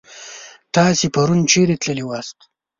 تاسو پرون چيرې تللي واست؟